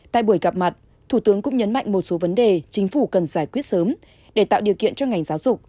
tại buổi gặp mặt thủ tướng cũng nhấn mạnh một số vấn đề chính phủ cần giải quyết sớm để tạo điều kiện cho ngành giáo dục